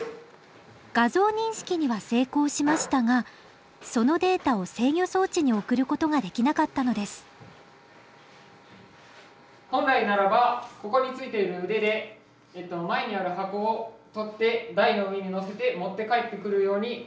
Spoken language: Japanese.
画像認識には成功しましたがそのデータを制御装置に送ることができなかったのです本来ならばここについている腕で前にある箱を取って台の上に載せて持って帰ってくるようになります。